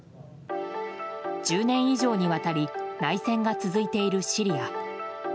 １０年以上にわたり内戦が続いているシリア。